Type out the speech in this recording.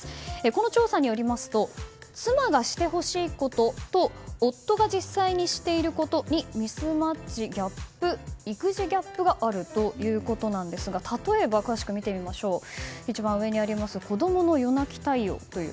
この調査によりますと妻がしてほしいことと夫が実際にしていることにミスマッチ育児ギャップがあるということですが例えば、一番上にある子供の夜泣き対応。